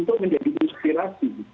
untuk menjadi inspirasi